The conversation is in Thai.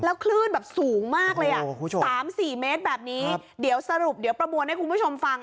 คลื่นแบบสูงมากเลยอ่ะสามสี่เมตรแบบนี้เดี๋ยวสรุปเดี๋ยวประมวลให้คุณผู้ชมฟัง